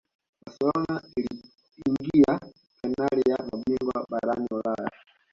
barcelona iliingia fainali ya mabingwa barani ulaya